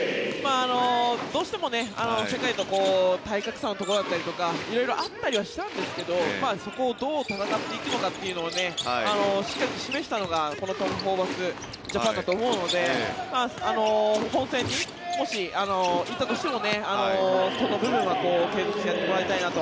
どうしても世界と体格差のところだったりとか色々あったりはしたんですがそこをどう戦っていくのかというのをしっかりと示したのがこのホーバスジャパンだと思うので本戦にもし行ったとしてもその部分は継続してやってもらいたいなと。